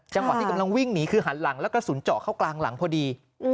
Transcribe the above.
จังหวะที่กำลังวิ่งหนีคือหันหลังแล้วกระสุนเจาะเข้ากลางหลังพอดี